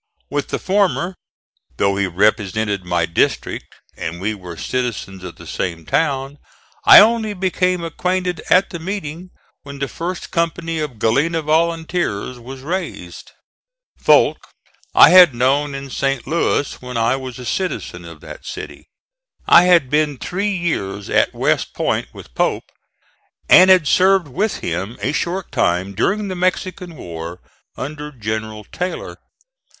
With the former, though he represented my district and we were citizens of the same town, I only became acquainted at the meeting when the first company of Galena volunteers was raised. Foulk I had known in St. Louis when I was a citizen of that city. I had been three years at West Point with Pope and had served with him a short time during the Mexican war, under General Taylor.